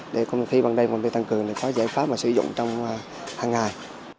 để công ty ban đêm công ty tăng cường để có giải pháp mà sử dụng trong hàng ngày